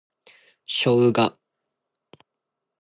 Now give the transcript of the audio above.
ショウガ